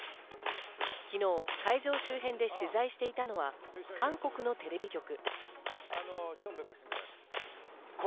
昨日、会場周辺で取材していたのは韓国のテレビ局。